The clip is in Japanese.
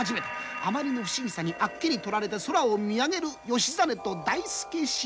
あまりの不思議さにあっけにとられて空を見上げる義実と大助主従。